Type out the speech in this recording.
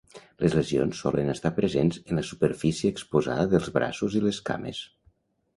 Les lesions solen estar presents en la superfície exposada dels braços i les cames.